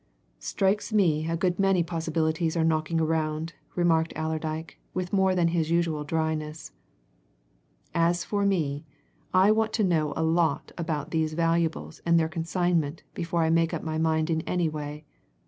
"Strikes me a good many possibilities are knocking around," remarked Allerdyke, with more than his usual dryness. "As for me, I'll want to know a lot about these valuables and their consignment before I make up my mind in any way.